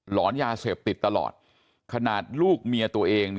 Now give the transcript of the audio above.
หอนยาเสพติดตลอดขนาดลูกเมียตัวเอง